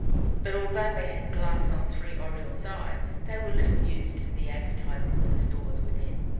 But, although they had glass on three oriel sides, they were little used for the advertising of the stores within.